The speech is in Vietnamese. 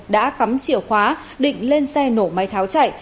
đã cắm chìa khóa định lên xe nổ máy tháo chạy